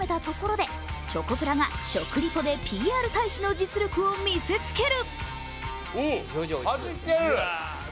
おすし芸人をなだめたところでチョコプラが食リポでＰＲ大使の実力を見せつける。